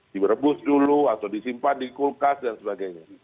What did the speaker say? direbus dulu atau disimpan di kulkas dan sebagainya